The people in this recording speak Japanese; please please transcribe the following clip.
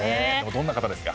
どんな方ですか？